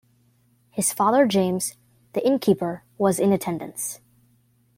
His father James, the Innkeeper, was in attendance.